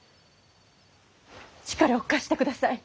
力を貸してください。